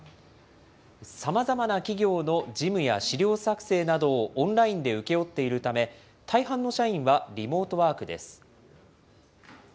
さまざまな企業の事務や資料作成などをオンラインで請け負っているため、大半の社員はリモートワークです。